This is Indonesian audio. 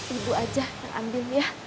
ibu aja yang ambil ya